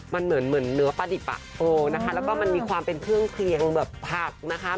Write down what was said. มันเหมือนเนื้อปลาดิบนะคะแล้วก็มันมีความเป็นเครื่องเคลียงแบบผักนะคะ